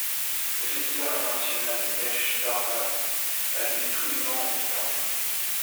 Le festival international de pêche d'Arvagh a lieu tous les ans en septembre.